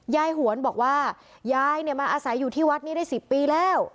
ยายหวนบอกว่ายายเนี่ยมาอาศัยอยู่ที่วัดนี้ได้สิบปีแล้ว